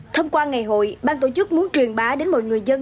thông qua ngày hội ban tổ chức muốn truyền bá đến mọi người dân